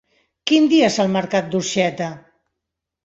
Quin dia és el mercat d'Orxeta?